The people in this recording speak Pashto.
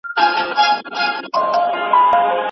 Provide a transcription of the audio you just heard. ته زما د دوستانو احترام کوه، زه به ستا د دوستانو درناوی کوم.